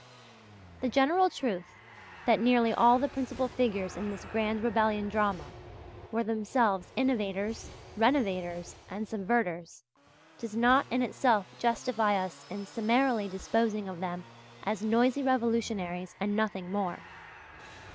The general truth that nearly all the principal figures in this Grand Rebellion Drama were themselves innovators, renovators, and subverters, does not in itself justify us in summarily disposing of them as noisy revolutionaries and nothing more.